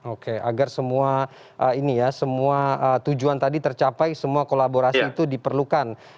oke agar semua ini ya semua tujuan tadi tercapai semua kolaborasi itu diperlukan